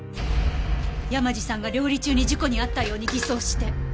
山路さんが料理中に事故に遭ったように偽装して。